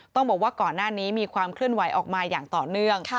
ต้องบอกว่าก่อนหน้านี้มีความเคลื่อนไหวออกมาอย่างต่อเนื่อง